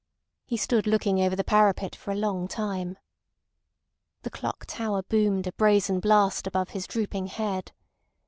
He stood looking over the parapet for a long time. The clock tower boomed a brazen blast above his drooping head.